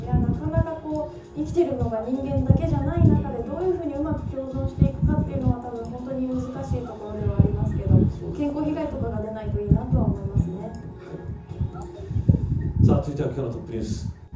生きているのが人間だけじゃない中でどういうふうにうまく共存していくかというのは難しいところですけど健康被害が続いては今日のトップニュース。